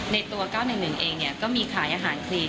ในตัวเก้าหนึ่งหนึ่งเองเนี้ยก็มีขายอาหารครีม